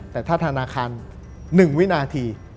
แต่ถ้าธนาคาร๑วินาที